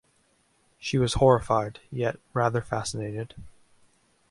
She was horrified, yet rather fascinated.